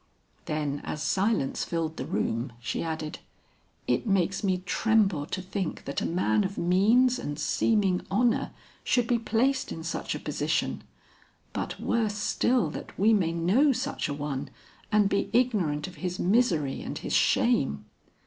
Then as silence filled the room, she added, "It makes me tremble to think that a man of means and seeming honor should be placed in such a position, but worse still that we may know such a one and be ignorant of his misery and his shame."